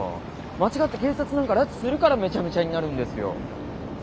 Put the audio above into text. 間違って警察なんか拉致するからめちゃめちゃになるんですよ。